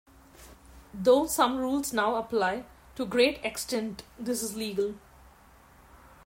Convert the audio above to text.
Though some rules now apply, to a great extent this is legal.